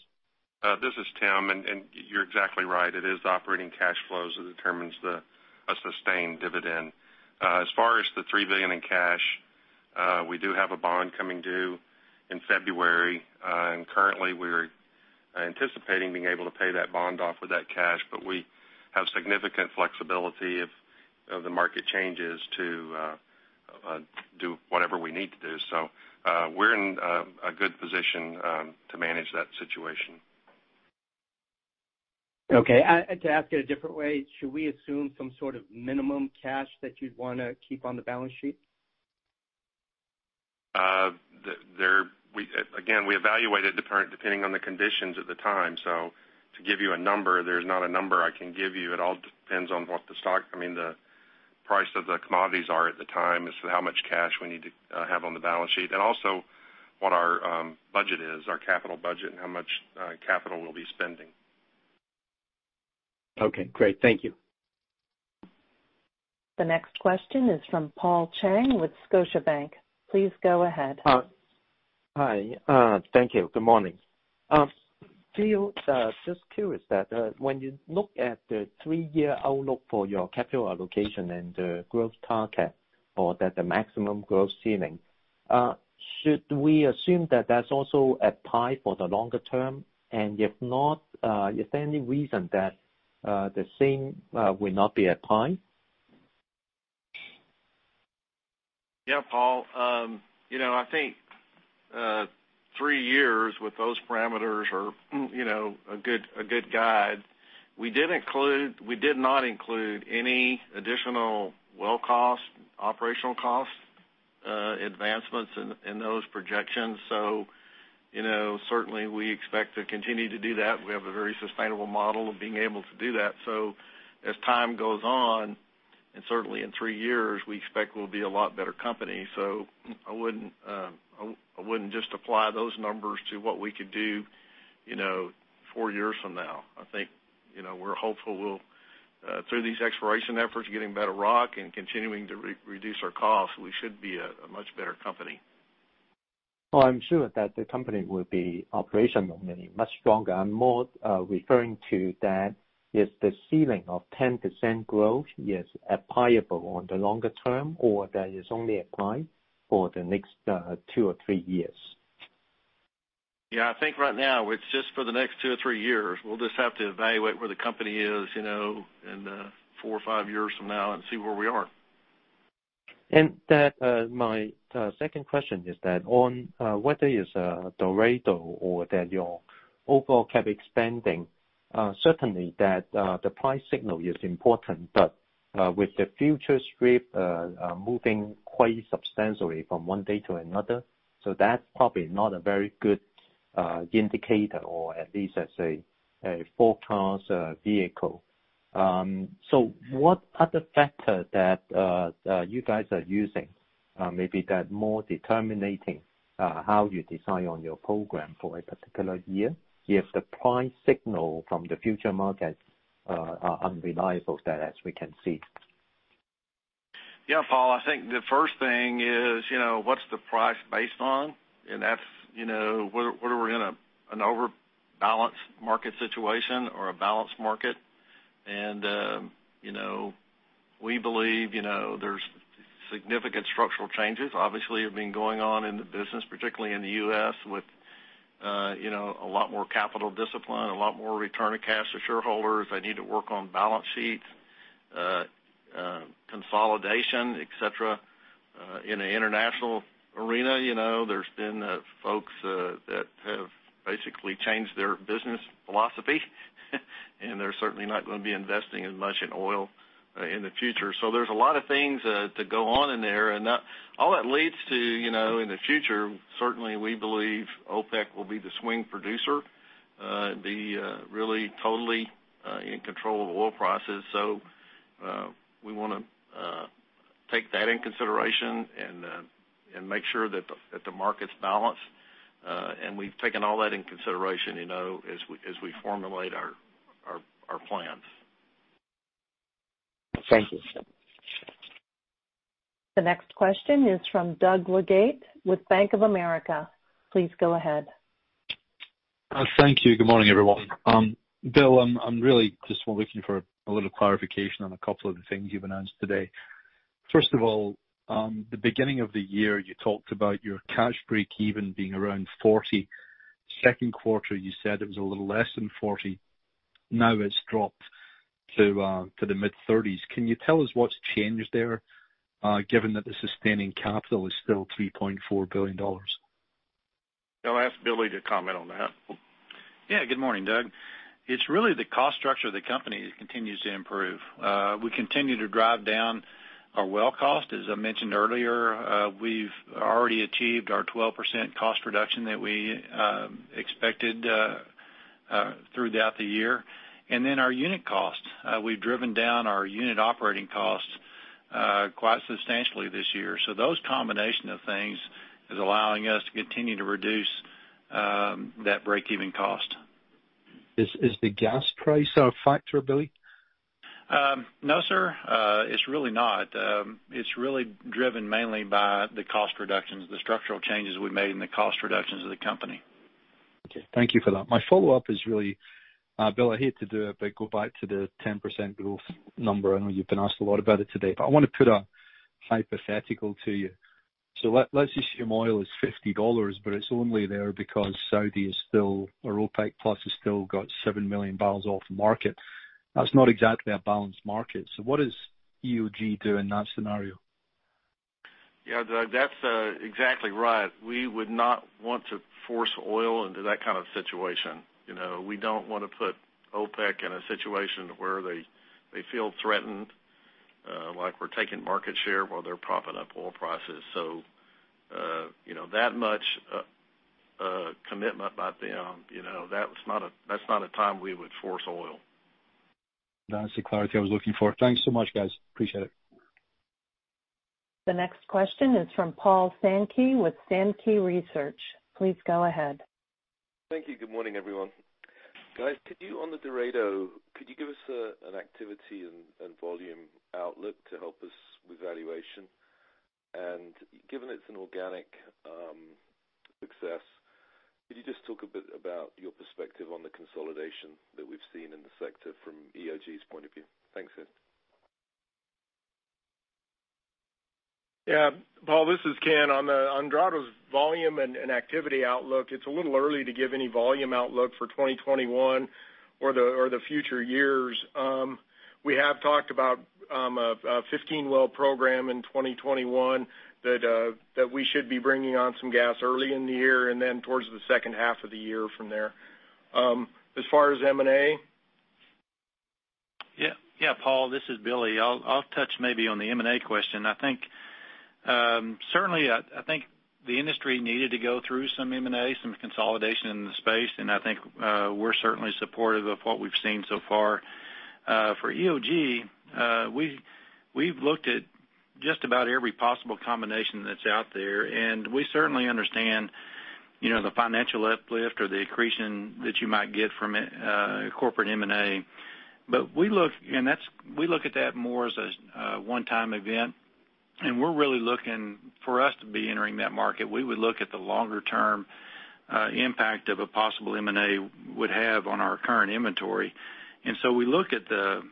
This is Tim. You're exactly right. It is operating cash flows that determines a sustained dividend. As far as the $3 billion in cash, we do have a bond coming due in February. Currently we're anticipating being able to pay that bond off with that cash. We have significant flexibility if the market changes to do whatever we need to do. We're in a good position to manage that situation. Okay. To ask it a different way, should we assume some sort of minimum cash that you'd want to keep on the balance sheet? Again, we evaluate it depending on the conditions at the time. To give you a number, there's not a number I can give you. It all depends on what the price of the commodities are at the time as to how much cash we need to have on the balance sheet, and also what our budget is, our capital budget, and how much capital we'll be spending. Okay, great. Thank you. The next question is from Paul Cheng with Scotiabank. Please go ahead. Hi. Thank you. Good morning. Just curious that when you look at the three year outlook for your capital allocation and the growth target, or that the maximum growth ceiling, should we assume that's also applied for the longer term? If not, is there any reason that the same will not be applied? Yeah, Paul. I think three years with those parameters are a good guide. We did not include any additional well costs, operational costs, advancements in those projections. Certainly, we expect to continue to do that. We have a very sustainable model of being able to do that. As time goes on, and certainly in three years, we expect we'll be a lot better company. I wouldn't just apply those numbers to what we could do four years from now. I think we're hopeful we'll, through these exploration efforts, getting better rock and continuing to reduce our costs, we should be a much better company. I'm sure that the company will be operationally much stronger. I'm more referring to that, is the ceiling of 10% growth is applicable on the longer term, or that is only applied for the next two or three years? Yeah. I think right now it's just for the next two or three years. We'll just have to evaluate where the company is in four or five years from now and see where we are. My second question is on whether it's Dorado or your overall CapEx spending, certainly the price signal is important, but with the future strip moving quite substantially from one day to another, so that's probably not a very good indicator or at least as a forecast vehicle. What other factor that you guys are using? Maybe more determining how you decide on your program for a particular year, if the price signal from the future markets are unreliable as we can see. Yeah, Paul, I think the first thing is, what's the price based on? Whether we're in an overbalanced market situation or a balanced market. We believe there's significant structural changes obviously have been going on in the U.S., with a lot more capital discipline, a lot more return of cash to shareholders. They need to work on balance sheets, consolidation, et cetera. In an international arena, there's been folks that have basically changed their business philosophy and they're certainly not going to be investing as much in oil in the future. There's a lot of things to go on in there, and all that leads to, in the future, certainly we believe OPEC will be the swing producer, be really totally in control of oil prices. We want to take that in consideration and make sure that the market's balanced. We've taken all that in consideration as we formulate our plans. Thank you. The next question is from Doug Leggate with Bank of America. Please go ahead. Thank you. Good morning, everyone. Bill, I'm really just looking for a little clarification on a couple of the things you've announced today. First of all, the beginning of the year, you talked about your cash breakeven being around $40. Second quarter, you said it was a little less than $40. Now it's dropped to the mid-$30s. Can you tell us what's changed there, given that the sustaining capital is still $3.4 billion? I'll ask Billy to comment on that. Yeah. Good morning, Doug. It's really the cost structure of the company that continues to improve. We continue to drive down our well cost. As I mentioned earlier, we've already achieved our 12% cost reduction that we expected throughout the year. Our unit costs, we've driven down our unit operating costs quite substantially this year. Those combination of things is allowing us to continue to reduce that breakeven cost. Is the gas price a factor, Billy? No, sir. It's really not. It's really driven mainly by the cost reductions, the structural changes we've made in the cost reductions of the company. Okay. Thank you for that. My follow-up is really, Bill, I hate to do it, but go back to the 10% growth number. I know you've been asked a lot about it today, but I want to put a hypothetical to you. Let's assume oil is $50, but it's only there because Saudi is still, or OPEC+ has still got 7 million bbl off the market. That's not exactly a balanced market. What does EOG do in that scenario? Yeah, Doug, that's exactly right. We would not want to force oil into that kind of situation. We don't want to put OPEC in a situation where they feel threatened, like we're taking market share while they're propping up oil prices. That much commitment by them, that's not a time we would force oil. That's the clarity I was looking for. Thanks so much, guys. Appreciate it. The next question is from Paul Sankey with Sankey Research. Please go ahead. Thank you. Good morning, everyone. Guys, could you, on the Dorado, could you give us an activity and volume outlook to help us with valuation? Given it's an organic success, could you just talk a bit about your perspective on the consolidation that we've seen in the sector from EOG's point of view? Thanks. Yeah. Paul, this is Ken. On the Dorado's volume and activity outlook, it's a little early to give any volume outlook for 2021 or the future years. We have talked about a 15 well program in 2021 that we should be bringing on some gas early in the year, and then towards the second half of the year from there. As far as M&A? Yeah, Paul, this is Billy. I'll touch maybe on the M&A question. Certainly, I think the industry needed to go through some M&A, some consolidation in the space, and I think we're certainly supportive of what we've seen so far. For EOG, we've looked at just about every possible combination that's out there, and we certainly understand the financial uplift or the accretion that you might get from a corporate M&A. We look at that more as a one-time event, and we're really looking for us to be entering that market. We would look at the longer-term impact of a possible M&A would have on our current inventory. We look at the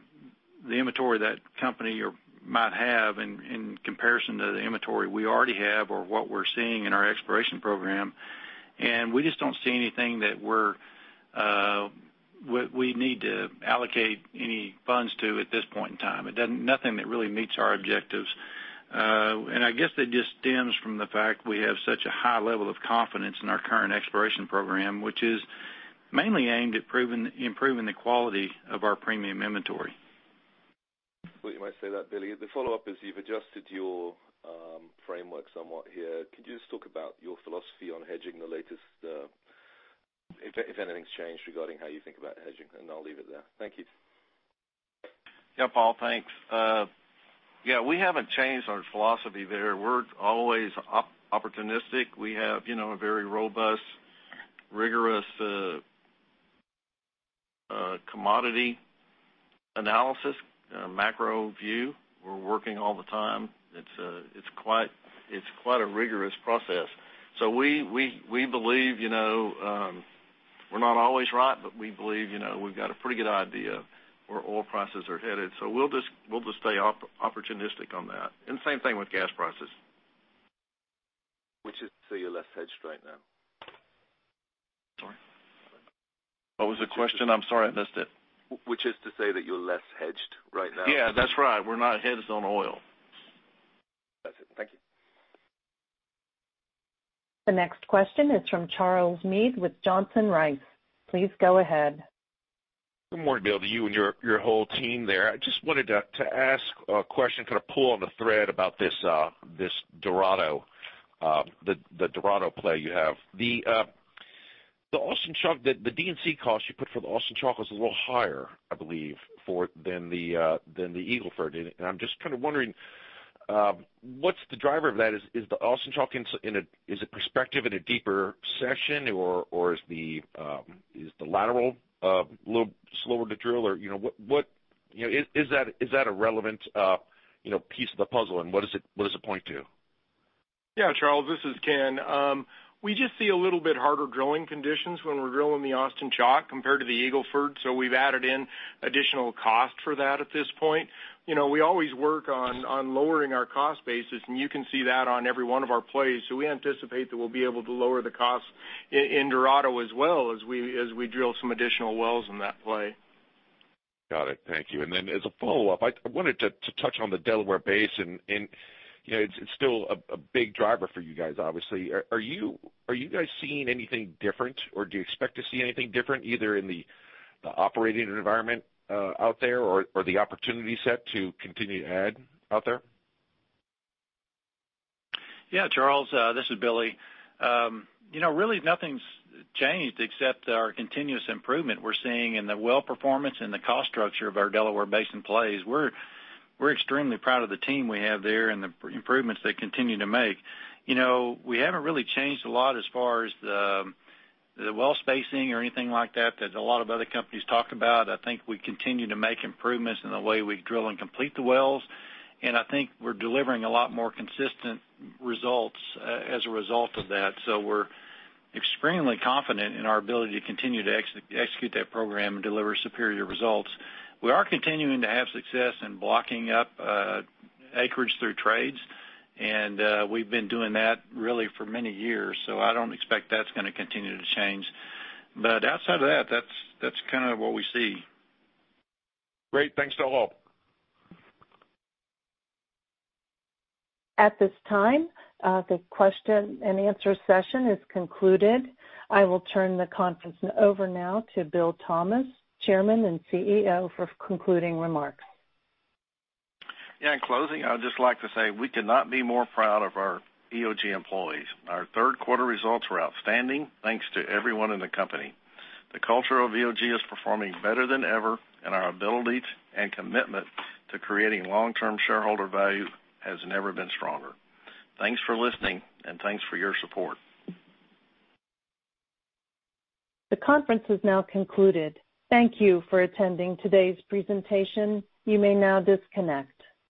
inventory that company might have in comparison to the inventory we already have or what we're seeing in our exploration program. We just don't see anything that we need to allocate any funds to at this point in time. Nothing that really meets our objectives. I guess that just stems from the fact we have such a high level of confidence in our current exploration program, which is mainly aimed at improving the quality of our premium inventory. Thought you might say that, Billy. The follow-up is, you've adjusted your framework somewhat here. Could you just talk about your philosophy on hedging the latest, if anything's changed regarding how you think about hedging? I'll leave it there. Thank you. Yeah, Paul, thanks. We haven't changed our philosophy there. We're always opportunistic. We have a very robust, rigorous commodity analysis, macro view. We're working all the time. It's quite a rigorous process. We believe we're not always right, but we believe we've got a pretty good idea where oil prices are headed. We'll just stay opportunistic on that, same thing with gas prices. Which is to say you're less hedged right now? Sorry. What was the question? I'm sorry, I missed it. Which is to say that you're less hedged right now? Yeah, that's right. We're not hedged on oil. That's it. Thank you. The next question is from Charles Meade with Johnson Rice. Please go ahead. Good morning, Bill, to you and your whole team there. I just wanted to ask a question, kind of pull on the thread about the Dorado play you have. The D&C cost you put for the Austin Chalk was a little higher, I believe, than the Eagle Ford. I'm just kind of wondering, what's the driver of that? Is the Austin Chalk, is it prospective in a deeper section, or is the lateral a little slower to drill? Is that a relevant piece of the puzzle, and what does it point to? Charles, this is Ken. We just see a little bit harder drilling conditions when we're drilling the Austin Chalk compared to the Eagle Ford, so we've added in additional cost for that at this point. We always work on lowering our cost basis, and you can see that on every one of our plays. We anticipate that we'll be able to lower the cost in Dorado as well as we drill some additional wells in that play. Got it. Thank you. As a follow-up, I wanted to touch on the Delaware Basin, and it's still a big driver for you guys, obviously. Are you guys seeing anything different, or do you expect to see anything different, either in the operating environment out there or the opportunity set to continue to add out there? Yeah, Charles, this is Billy. Really nothing's changed except our continuous improvement we're seeing in the well performance and the cost structure of our Delaware Basin plays. We're extremely proud of the team we have there and the improvements they continue to make. We haven't really changed a lot as far as the well spacing or anything like that a lot of other companies talked about. I think we continue to make improvements in the way we drill and complete the wells, and I think we're delivering a lot more consistent results as a result of that. We're extremely confident in our ability to continue to execute that program and deliver superior results. We are continuing to have success in blocking up acreage through trades, and we've been doing that really for many years, so I don't expect that's going to continue to change. Outside of that's kind of what we see. Great. Thanks to all. At this time, the question and answer session is concluded. I will turn the conference over now to Bill Thomas, Chairman and CEO, for concluding remarks. Yeah, in closing, I'd just like to say we could not be more proud of our EOG employees. Our third quarter results were outstanding, thanks to everyone in the company. The culture of EOG is performing better than ever, and our ability and commitment to creating long-term shareholder value has never been stronger. Thanks for listening, and thanks for your support. The conference is now concluded. Thank you for attending today's presentation. You may now disconnect.